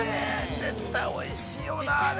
◆絶対おいしいよなあ、あれ。